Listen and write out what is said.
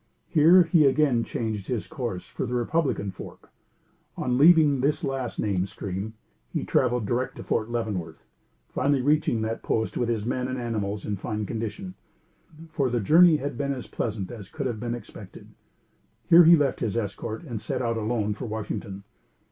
Here he again changed his course for the Republican Fork. On leaving this last named stream, he traveled direct to Fort Leavenworth, finally reaching that post with his men and animals in fine condition, for the journey had been as pleasant as could have been expected. Here he left his escort, and set out alone for Washington.